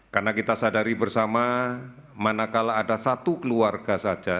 karena kita sadari bersama manakala ada satu keluarga saja